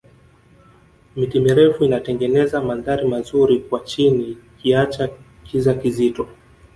miti mirefu inatengeneza mandhari mazuri kwa chini ikiacha kiza kizito